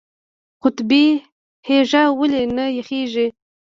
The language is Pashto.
قطبي هیږه ولې نه یخیږي؟